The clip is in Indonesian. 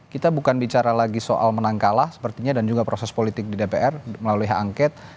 kita bukan bicara lagi soal menang kalah sepertinya dan juga proses politik di dpr melalui hak angket